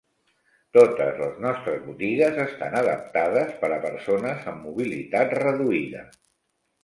Totes les nostres botigues estan adaptades per a persones amb mobilitat reduïda.